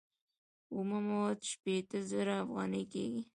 اومه مواد شپیته زره افغانۍ کېږي